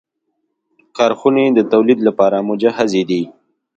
کارخونې د تولید لپاره مجهزې دي.